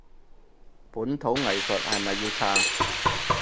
本土藝術係咪要撐？